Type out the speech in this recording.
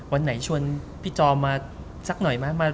วันไหนชวนพี่จอมมาสักหน่อยไหม